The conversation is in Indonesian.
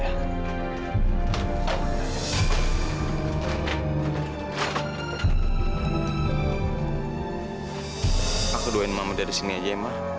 aku doain mama dari sini aja ya ma